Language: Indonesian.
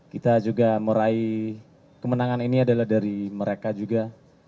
kita juga meraih kemenangan ini adalah dari mereka juga